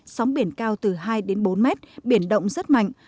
sóng biển cao từ hai đến bốn mét biển động rất mạnh